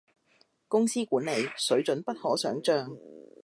公司管理，水準不可想像